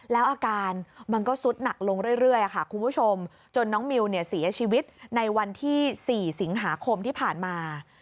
แล้วอาการมันก็สุดหนักลงเรื่อยค่ะคุณผู้ชมจนน้องมิวเสียชีวิตในวันที่๔สิงหาคมที่ผ่านมา